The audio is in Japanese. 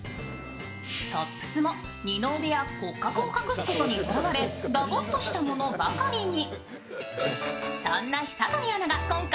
トップスも二の腕や骨格を隠すことにとらわれだぼっとしたものばかりに。